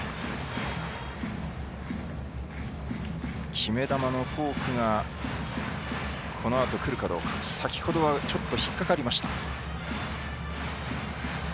決め球のフォークがこのあとくるかどうか先ほどはちょっと引っ掛かりました。